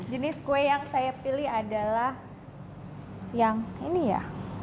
jenis kue yang saya pilih adalah yang ini ya